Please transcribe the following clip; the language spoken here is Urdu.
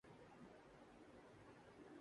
الف کا مکمل ٹریلر اور گانا بھی سامنے گیا